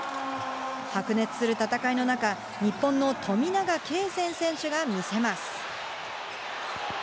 白熱する戦いの中、日本の富永啓生選手が見せます。